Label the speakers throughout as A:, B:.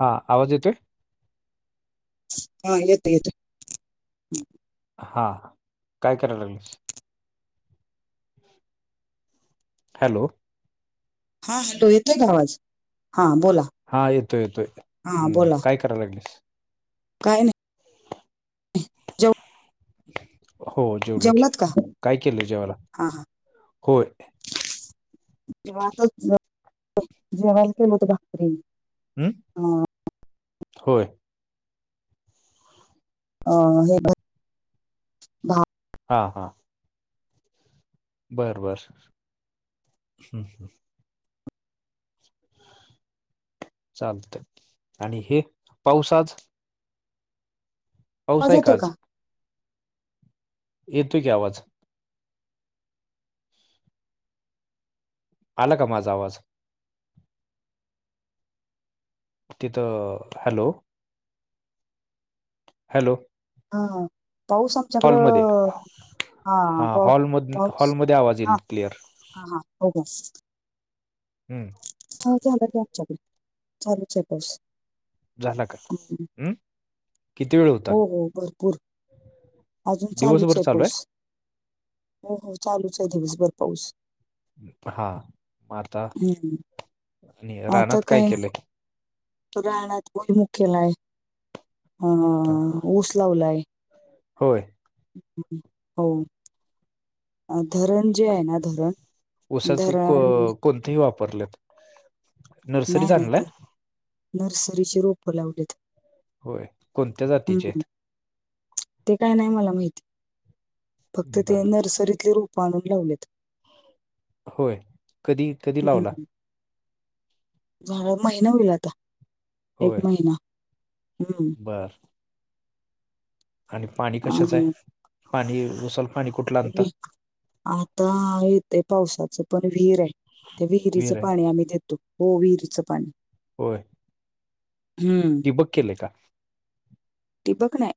A: हा. आवाज येतोय?
B: हा येतोय, येतोय.
A: हा. काय करायला लागलीस? [inaudible] हॅलो
B: हा हॅलो. येतोय का आवाज? हा बोला.
A: हा येतो, येतोय.
B: हा
A: हम्म,
B: बोला
A: काय करायला लागलीस?
B: काय नाही. जेव
A: [inaudible] हो जेवलो की,
B: जेवलात का
A: काय केलंय जेवायला?
B: हा हा
A: [inaudible] होय
B: [unintelligible]
A: हम्म
B: भाकरी
A: होय
B: अ हे भा-
A: हा हा बर बर. हम्म, हम्म. चालतंय. आणि हे पाउस आज. पाउस
B: आवाज
A: आहे का
B: येतोय
A: आज? येतोय की आवाज. आला का माझा आवाज? तिथं, हॅलो हॅलो
B: हा. पाऊस
A: हॉलमध्ये
B: आच्याकडं. हा पा
A: हॉलमध
B: पाऊस
A: हॉलमध्ये आवाज
B: हा
A: येईल क्लिअर
B: हा हा हो
A: हम्म
B: हो झालं त्या चालू चालूच होतस.
A: झाला [unintelligible] उम्म.
B: हो हो भरपूर अजून चालूच
A: दिवसभर
B: आहे
A: चालू
B: पाऊस. हो हो चालूच आहे दिवसभर पाऊस.
A: हा म आता
B: हम्म.
A: आणि रानात काय केलंय?
B: रानात काय मुख्य नाय हा ऊस लावलाय.
A: होय.
B: [unintelligible] अ धरण जे आहे ना धरण
A: ऊसाच
B: धरण
A: कोणतेही वापरलेत.
B: नाय
A: नर्सरीच
B: नाय
A: आणलाय
B: ते नर्सरीची रोप लावलीत.
A: होय कोणत्या जातीचे
B: हं,
A: आहेत?
B: ते काय नाही मला माहिती फक्त ते
A: बर
B: नर्सरीतले रू पाणून लावलेत.
A: होय कधी कधी लावला?
B: हं, झालं महिना होईल आता एक महिना हम्म.
A: बरं. आणि पाणी कशाचं
B: आणि
A: आहे पाणी उसाल पाणी कुठलं आणता?
B: वि आता येते पावसाचं पण विहीर आहे. ते विहिरीचं
A: विहीर आहे
B: पाणी आम्ही देतो हो विहिरीचं पाणी.
A: होय.
B: हम्म.
A: बघ केले का?
B: टीबक नाय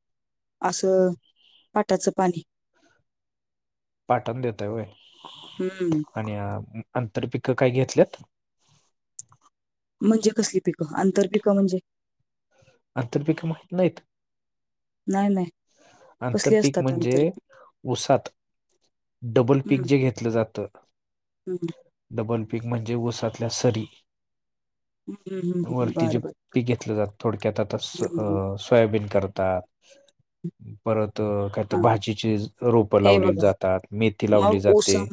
B: असं पाटाचं पाणी
A: पाठण देतय ओय.
B: हम्म.
A: आणि आंतर पिकं काय घेतल्यात?
B: म्हणजे कसली पिकं आंतर पिकं म्हणजे
A: अंतर पिकं माहीत नाहीत.
B: नाही, नाही.
A: आंतर
B: कसली
A: पीक
B: असतात
A: म्हणजे
B: आंतरपिकं?
A: उसात. डबल पीक
B: हं,
A: जे घेतलं जातं.
B: हं.
A: डबल पीक म्हणजे ऊसातल्या सरी.
B: हं, हं, हं.
A: वरतीचे
B: बरं, बरं.
A: ती घेतलं जात थोडे. तसं
B: हं, हं.
A: अ सोयाबीन करता परत काय तर
B: हां.
A: भाजीची रोपं
B: हे
A: लावलेली
B: बघा,
A: जातात मेथी लावली जाते.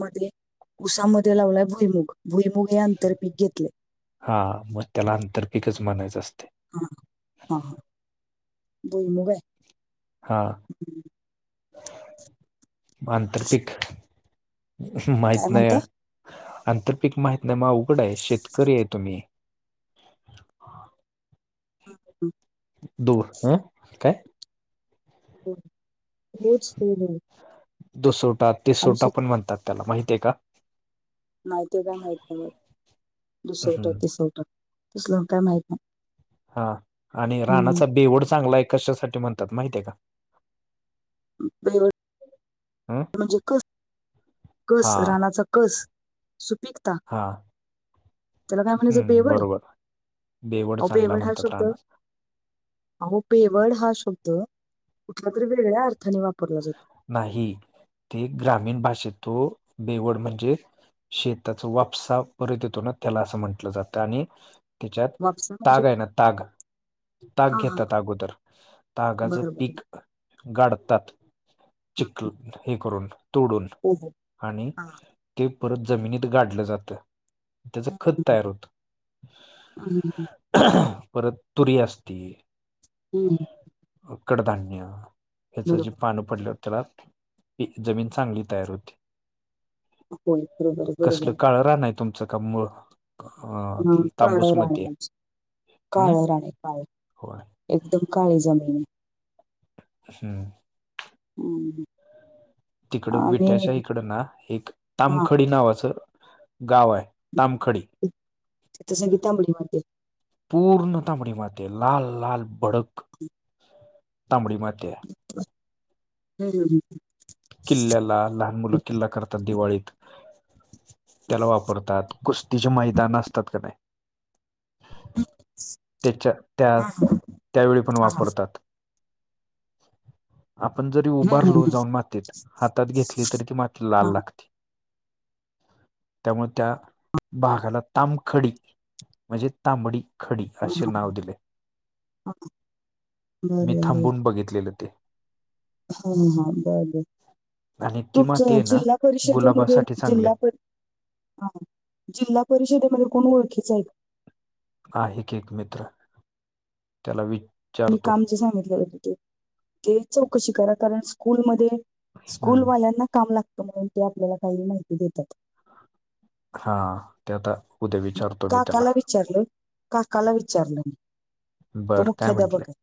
B: उसामध्ये लावलाय भुईमुग भुईमुग हे आंतर पीक घेतले.
A: हा म त्याला अंतर पिकच म्हणायचं असते.
B: हा हा हा बई मुग आहे.
A: हा
B: हं.
A: म अंतरपिक
B: काय
A: माहित नाही
B: म्हणताय?
A: अंतर पीक माहित नाही म अवघड आहे शेतकरी आहे तुम्ही.
B: [unintelligible]
A: दूर हुं काय?
B: हो होच हो हो.
A: दुसोटा
B: आम्ही
A: तिसोटा पण
B: शेतकरी.
A: म्हणतात त्याला माहतीय का?
B: नाही ते काय माहित नाही म दुसोटा
A: हम्म.
B: तिसोटा तसलं काय माहित नाय.
A: हा आणि राणाचा बेवड चांगला आहे, कशासाठी म्हणतात माहित आहे का?
B: [unintelligible]
A: अम्म?
B: ते म्हणजे कस कस रानाचा कस सुपिकता
A: हा
B: त्याला काय म्हणायचं
A: हम्म
B: बेवड?
A: बरोबर
B: अहो
A: चांगला
B: बेवड हा
A: म्हणतात
B: शब्द
A: रानास
B: अहो बेवड हा शब्द कुठल्या तरी वेगळ्या अर्थाने वापरला जातो.
A: नाही ते ग्रामीण भाषेत तो बेवड म्हणजे शेताचा वापसा परत येतो ना, त्याला असं म्हंटलं जातं आणि त्याच्यात
B: वापसा म्हणजे
A: ताग आहे ना ताग ताग
B: हां, हां.
A: घेतात अगोदर, तागाच
B: बरं, बरं.
A: पीक गाढतात. चिखलं हे करून तोडून
B: हो, हो.
A: आणि
B: हां.
A: ते परत जमिनीत गाडलं जातं. त्याचं खत
B: हं,
A: तयार होतं.
B: हं, हं, हं,
A: परत तुरी असती.
B: हम्म.
A: मग कडधान्य याचं जे
B: बरोबर.
A: पाण पडल्यावर त्याला की जमीन चांगली तयार होती.
B: होय, बरोबर,
A: कसलं
B: बरोबर.
A: काळं रान आहे तुमचं का मुळ?
B: हा काळं रान आहे आमचं
A: हम्म
B: काळं रान आहे काळं.
A: होय
B: एकदम काळी जमीन आहे.
A: हम्म.
B: हम्म.
A: तिकडं विट्याच्या इकडं ना, एक
B: हां,
A: तामखडी नावाचं गाव आहे. तामखडी
B: तिथं सगळी तांबडी मातीय.
A: पूर्ण तांबडी माती आहे. लाल लाल भडक तांबडी माती आहे.
B: हम्म हम्म.
A: किल्ल्याला लहान मुलं किल्ला करतात दिवाळीत, त्याला वापरतात. कुस्तीचे मैदान असतात का नाय?
B: [unintelligible]
A: त्याच्यात त्या
B: हां, हां,
A: त्यावेळी पण
B: हां, हां.
A: वापरतात. आपण जरी
B: हं, हं,
A: उभारलो
B: हं.
A: जाऊन मातीत हातात घेतली, तरी ती माती
B: हां,
A: लाल लागती. त्यामुळे त्या भागाला तामखडी म्हणजे तांबडी खडी
B: हां,
A: असे
B: हां.
A: नाव दिले.
B: हां. बरं,
A: मी
B: बरं,
A: थांबून बघितलेलं ते.
B: हा हा बरबर
A: आणि ती माती
B: तुमचं
A: आहे ना
B: जिल्हा परिषदेमध्ये
A: गुलाबासाठी चांगली
B: जिल्हा
A: आहे
B: पर हा जिल्हा परिषदेमध्ये कोण ओळखीच आहे?
A: आहे की एक मित्र, त्याला वि
B: मी काम जे सांगितलेलं होतं ते, ते चौकशी करा कारण स्कूलमध्ये
A: हम्म
B: स्कूलवाल्यांना काम लागतं म्हणून ते आपल्याला काही माहिती देतात.
A: हा ते आता उद्या विचारतो मी
B: काकाला
A: त्याला.
B: विचारलं काकाला विचारलं मी तो
A: बरं काय म्हटले?
B: मुख्याध्यापक आहे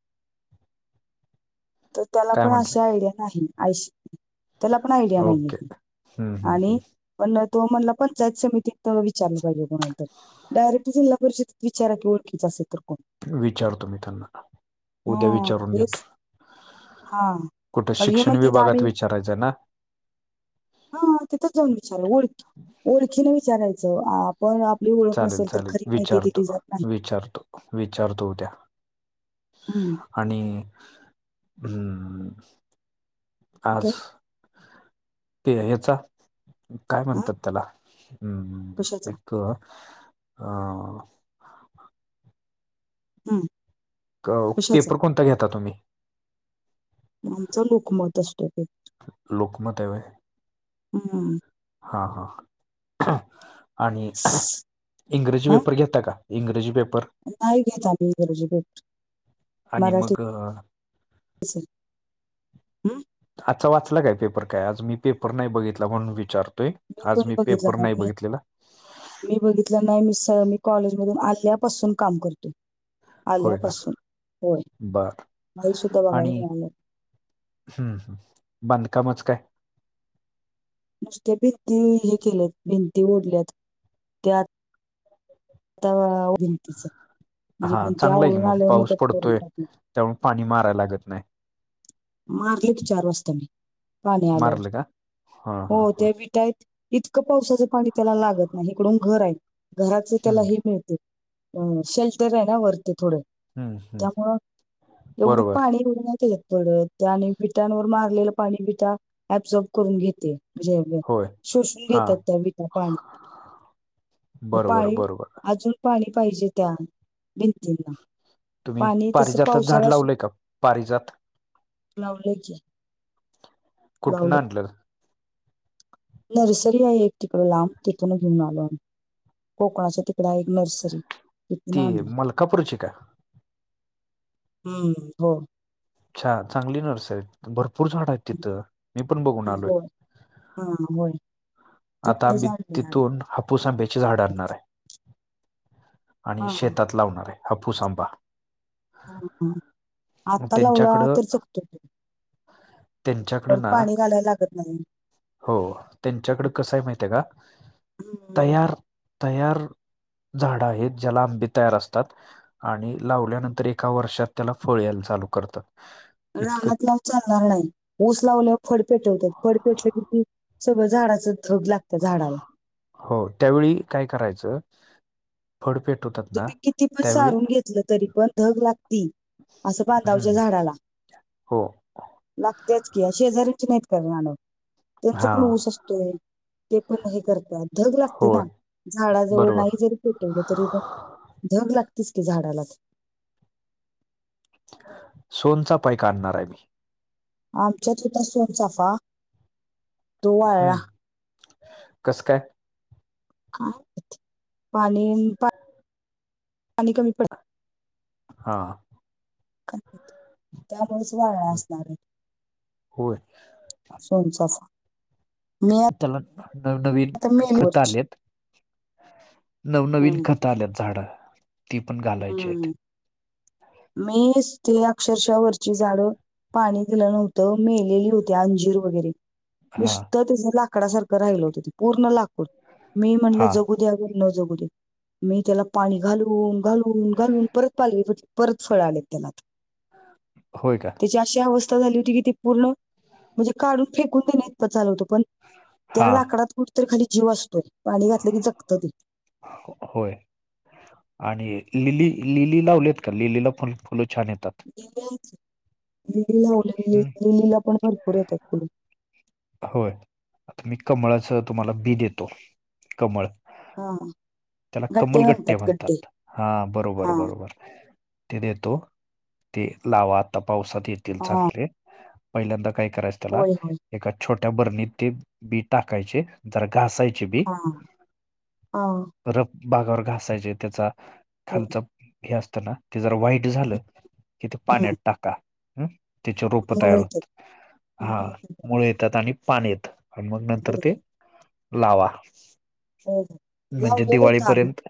B: तर त्याला
A: काय
B: पण
A: म्हंटले
B: अशी आयडिया नाही आशी त्याला पण आयडिया
A: ओके
B: नाहीये
A: हम्म हम्म
B: आणि पण तो म्हणाला पंचायत समितीतं विचारलं पाहिजे म्हणून. डायरेक्ट जिल्हा परिषदेत विचारा की ओळखीच असेल तर कोण?
A: विचारतो मी त्यांना, उद्या
B: हा
A: विचारून
B: हेच
A: घेतो.
B: हा
A: कुठे
B: कारण हे
A: शिक्षण
B: म्हणतात
A: विभागात
B: आम्ही
A: विचारायचं ना?
B: [inaudible] हा तिथंच जाऊन विचार ओळख, ओळखीने विचारायचं आपण ती ओळख
A: चालेल
B: नसेल तर
A: चालेल
B: खरी माहिती दिली
A: विचारतो
B: जात नाही.
A: विचारतो. विचारतो उद्या.
B: हं,
A: आणि [inaudible] हम्म. आज
B: काय?
A: ते याचा काय
B: हां,
A: म्हणतात त्याला? हम्म
B: कशाचा?
A: एक अ
B: हम्म.
A: काहो पेपर कोणता घेता तुम्ही?
B: आमचा लोकमत असतो ते.
A: लोकमत आहे होय.
B: हम्म.
A: हा हा आणि इंग्रजी
B: हां,
A: पेपर घेता का? इंग्रजी पेपर?
B: नाही घेत [unintelligible]
A: आणि
B: मराठीत.
A: मग अ,
B: अच्छा ह [unintelligible]
A: आजचा वाचला काय पेपर काय आज मी पेपर नाही बघितला म्हणून विचारत? तोय आज
B: पण
A: मी
B: बघितलं
A: पेपर नाही
B: मी
A: बघितलेला.
B: मी बघितलं नाही मी कॉलेजमधून आल्यापासून काम करते.
A: होय का
B: आल्यापासून होय,
A: बर
B: काही सुद्धा बघायला
A: आणि
B: मिळालं.
A: हम्म बांधकामच काय?
B: नुसत्या भिंती हे केल्यात भिंती ओढल्यात त्यात आता भिंतीच म्हणजे
A: हा
B: भिंती
A: चांगलं आहे की
B: आवळून आल्यावर मग
A: पाऊस
B: त्या करून
A: पडतोय
B: टाकिन.
A: त्यामुळे पाणी मारायला लागत नाही.
B: मारले की चार वाजता मी पाणी आल्यावर
A: मारलं का हा
B: हो
A: हा हा
B: ते विटायत इतकं पावसाचं पाणी त्याला लागत नाही इकडून घर आहे घराच त्याला
A: हम्म,
B: हे मिळते अ शेल्टर आहे ना वरती थोडे.
A: हम्म, हम्म.
B: त्यामुळं एवढं
A: बरोबर
B: पाणी एवढं नाही येत. पडत आणि बिटांवर मारलेलं पाणी बिटा अबझॉर्ब करून घेते. म्हणजे
A: होय
B: शोषून
A: हा
B: घेतात त्या बिटा पाणी. मग
A: बरोबर,
B: पाणी
A: बरोबर.
B: अजून पाणी पाहिजे त्या भिंतींना.
A: तुम्ही
B: पाणी तसं
A: पारिजातच झाड
B: पावसाळा
A: लावलंय का पारिजात?
B: लावलेच हे
A: कुठून
B: लावले.
A: आणलं
B: नर्सरी आहे एक तिकड लांब तिथून घेऊन आलो आम्ही कोकणाच्या तिकड आहे एक नर्सरी. तिथून
A: ती
B: आणलं.
A: मलकापूर ची का?
B: हम्म, हो.
A: छान चांगली नर्सरी भरपूर झाड आहेत तिथं मी पण बघून आलोय.
B: हां हां होय.
A: आता
B: तिथनंच
A: आंब
B: आणली आम्ही.
A: तिथून हापूस आंब्याचे झाड आणणार आहे. आणि
B: हां, हां.
A: शेतात लावणार आहे हाप्पूस आंबा.
B: ह ह आत्ता लावला तर चुकतो.
A: त्यांच्याकड
B: परत
A: ना
B: पाणी घालायला लागत नाही.
A: हो त्यांच्याकड कसय माहिती आहे का
B: हं.
A: तयार तयार झाडं आहेत ज्याला आंबी तयार असतात. आणि लावल्यानंतर एका वर्षात त्याला फळ यायला चालू करतात. इतकं
B: रानात लावून चालणार नाही ऊस लावल्यावर फड पेटवतात फड पेटले कि सगळं झाडाच धग लागतं झाडाला.
A: हो त्यावेळी काय करायचं फड पेटवतात होतात
B: तुम्ही किती पण सारून घेतलं तरी पण धग लागती असं बांधावरच्या
A: हम्म,
B: झाडाला.
A: हो.
B: लागतेच की शेजार्यांची नाहीत कर नानव त्यांचा
A: हा
B: पण ऊस असतोय. ते पण हे करतात धग लागते
A: होय
B: ना झाडाजवळ
A: बरोबर
B: नाही जरी पेटवलं तरी पण धग लागतीच की झाडाला.
A: सोनचाफा एक आणणार आहे मी.
B: आमच्यात होता सोनचाफा तो वाळला
A: हम्म कस का?
B: का पाणी पाणी कमी पडालत.
A: हा.
B: त्यामुळेच वाळ असणार आहे.
A: होय
B: सोनचाफा मी
A: त्याला नवनवीन
B: आता
A: खत
B: मेलीवरची
A: आलेत. नवनवीन
B: हम्म,
A: खत आल्यात झाडा
B: हम्म मीच ती अक्षरशः वरची झाड पाणी दिलं नव्हतं मेलेली होती अंजीर वगैरे
A: हा
B: नुसतं तेचं लाकडासारखं राहिल होत ते पूर्ण लाकूड मी म्हणलं
A: हा
B: जगू जगू दे न जगू दे, मी त्याला पाणी घालून घालून घालून परत पालवी परत फळ आलेत त्याला.
A: होय का.
B: तेची अशी अवस्था झाली होती की ते पूर्ण म्हणजे काढून फेकून देण्याइतपत झाल होत पण त्या
A: हा
B: लाकडात कुठेतरी खाली जीव असतोय पाणी घातलं की जगतं ते.
A: होय. आणि लिली लिली लावलेत का? लिलीला पण फुलं छान येतात.
B: लिली लावलेत
A: हम्म
B: लिलीला पण भरपूर येतात फुल.
A: होय आता मी कमळाच तुम्हाला बी देतो कमळ
B: हा.
A: त्याला
B: गड्डे
A: कमलगट्टे
B: गड्डे
A: म्हणतात हा बरोबर
B: हा
A: बरोबर. ते देतो ते लावा आता पावसात येतील
B: हा
A: चांगले. पहिल्यांदा काय करायचं त्याला
B: होय होय
A: एका छोट्या बरणीत ते बी टाकायचे जरा घासायचे बी.
B: ह ह.
A: रफ भागावर घासायचे त्याचा
B: होय
A: खालचा हे असताना ते जरा व्हाईट झालं कि ते
B: हं
A: पाण्यात टाका हम. त्याचे रोप
B: मुळं
A: तयार
B: येतात
A: होत
B: मुळं
A: हा.
B: येतात
A: मुळे येतात आणि पान येतात आणि मग नंतर
B: होय
A: ते लावा.
B: हो हो
A: म्हणजे
B: लावलेलं होतं आम्ही.
A: दिवाळीपर्यंत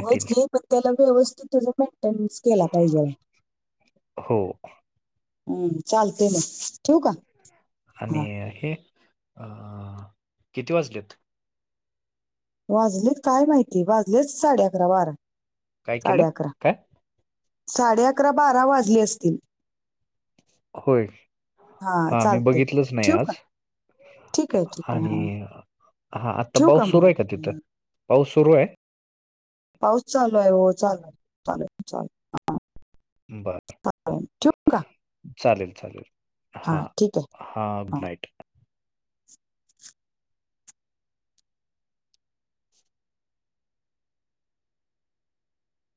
B: होयच की पण त्याला व्यवस्थित त्याच मेंटेनन्स केला पाहिजेल
A: हो
B: हम्म चालतय मग ठेवू का
A: आणि
B: हा
A: हे अ किती वाजलेत
B: वाजलेत काय माहिती वाजले असतील साडे अकरा बारा
A: काय केलं
B: साडे अकरा
A: काय
B: साडे अकरा, बारा वाजली असतील
A: होय
B: हा
A: मी
B: चालतय
A: बघितलंच नाही
B: ठेवू का
A: आज
B: ठीक आहे, ठीक आहे
A: आणि
B: हां
A: हा आता पाऊस सुरू आहे का तिथं पाऊस सुरू आहे
B: पाऊस चालू आहे हो, चालूय चालू चाल
A: बर
B: चा ठेवू का
A: चालेल, चालेल
B: हा ठीक आहे
A: हा गुड नाईट